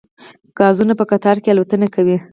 قازونه په قطار کې الوتنه کوي